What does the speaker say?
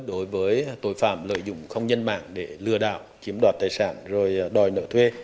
đối với tội phạm lợi dụng không nhân mạng để lừa đảo chiếm đoạt tài sản rồi đòi nợ thuê